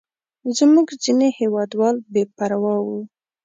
زموږ ځینې هېوادوال بې پروا وو.